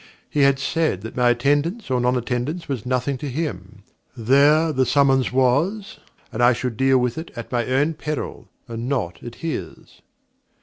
He had said that my attendance or nonattendance was nothing to him; there the summons was; and I should deal with it at my own peril, and not at his.